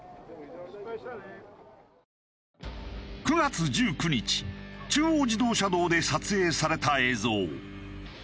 ９月１９日中央自動車道で撮影された映像。